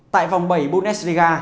tại vòng bảy bundesliga